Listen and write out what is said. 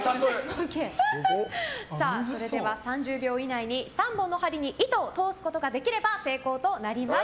それでは３０秒以内に３本の針に糸を通すことができれば成功となります。